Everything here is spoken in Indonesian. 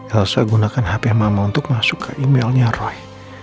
elsa gunakan hp mama untuk masuk ke emailnya roy